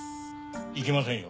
行きませんよ。